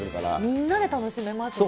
みんなで楽しめますね。